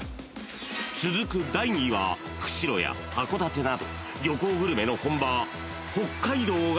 ［続く第２位は釧路や函館など漁港グルメの本場北海道が並ぶ］